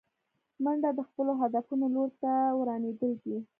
منډه د خپلو هدفونو لور ته روانېدل دي